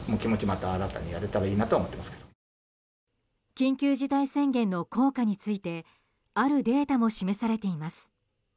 緊急事態宣言の効果についてあるデータも示されています。